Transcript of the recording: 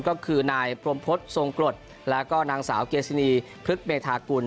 ก็คือนายพรมพฤษทรงกรดแล้วก็นางสาวเกซินีพฤกษเมธากุล